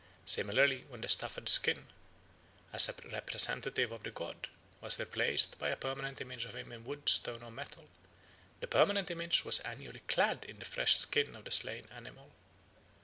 Similarly when the stuffed skin, as a representative of the god, was replaced by a permanent image of him in wood, stone, or metal, the permanent image was annually clad in the fresh skin of the slain animal.